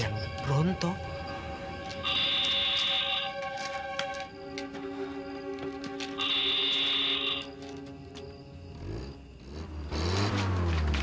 jangan model itu memang gilangnya